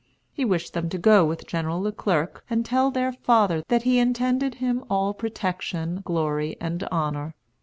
He wished them to go with General Le Clerc and tell their father that he intended him all protection, glory, and honor.